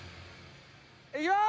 いきます！